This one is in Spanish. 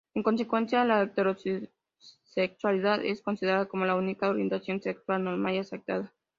En consecuencia, la heterosexualidad es considerada como la única orientación sexual normal y aceptada.